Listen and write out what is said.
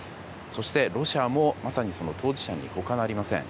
そしてロシアもまさにその当事者にほかなりません。